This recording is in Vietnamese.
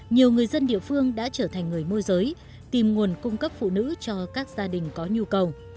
nhiều người dân địa phương đã trở thành người môi giới tìm nguồn cung cấp phụ nữ cho các gia đình có nhu cầu